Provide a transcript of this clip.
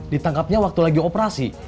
ditangkapnya waktu lagi operasi